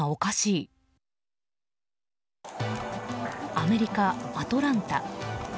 アメリカ・アトランタ。